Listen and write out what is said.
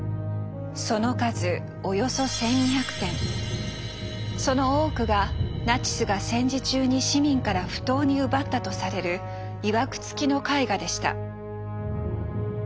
その数およそその多くがナチスが戦時中に市民から不当に奪ったとされるいわくつきの絵画でした。